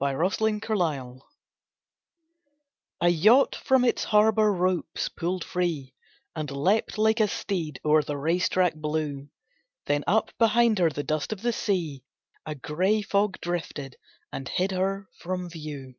A MARINE ETCHING A yacht from its harbour ropes pulled free, And leaped like a steed o'er the race track blue, Then up behind her the dust of the sea, A gray fog, drifted, and hid her from view.